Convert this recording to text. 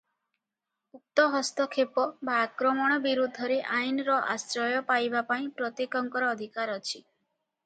ଉକ୍ତ ହସ୍ତକ୍ଷେପ ବା ଆକ୍ରମଣ ବିରୁଦ୍ଧରେ ଆଇନର ଆଶ୍ରୟ ପାଇବା ପାଇଁ ପ୍ରତ୍ୟେକଙ୍କର ଅଧିକାର ଅଛି ।